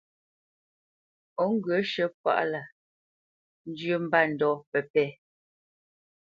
Ó ŋgyə̂ shə̂ páʼ lâ njyə́ mbândɔ̂ pə́pɛ̂.